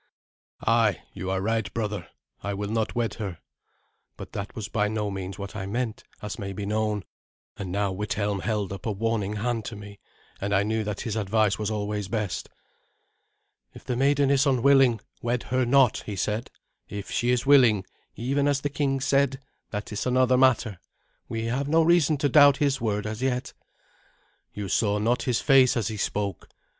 "Ay, you are right, brother. I will not wed her." But that was by no means what I meant, as may be known; and now Withelm held up a warning hand to me, and I knew that his advice was always best. "If the maiden is unwilling, wed her not," he said. "If she is willing, even as the king said, that is another matter. We have no reason to doubt his word as yet." "You saw not his face as he spoke.